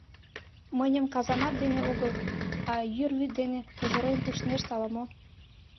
Мыньым казамат дене огыл, а йӱр вӱд дене пызырен пуштнешт ала-мо.